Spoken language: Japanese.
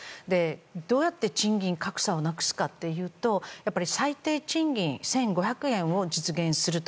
どうやって賃金格差をなくすかというとやっぱり最低賃金１５００円を実現すると。